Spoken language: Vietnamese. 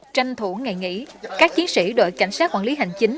tranh thủ ngày nghỉ các chiến sĩ đội cảnh sát quản lý hành chính